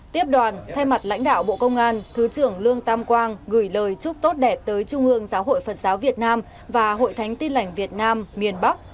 tiếp đoàn thay mặt lãnh đạo bộ công an thứ trưởng lương tam quang gửi lời chúc tốt đẹp tới trung ương giáo hội phật giáo việt nam và hội thánh tin lảnh việt nam miền bắc